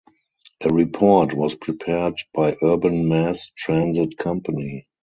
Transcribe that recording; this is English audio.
A report was prepared by Urban Mass Transit Company.